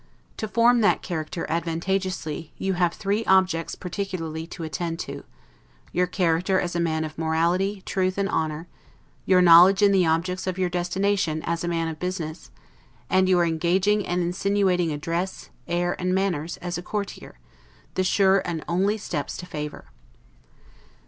To form that character advantageously, you have three objects particularly to attend to: your character as a man of morality, truth, and honor; your knowledge in the objects of your destination, as a man of business; and your engaging and insinuating address, air and manners, as a courtier; the sure and only steps to favor.